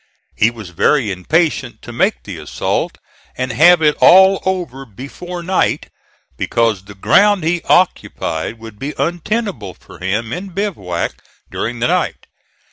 He was very impatient to make the assault and have it all over before night, because the ground he occupied would be untenable for him in bivouac during the night.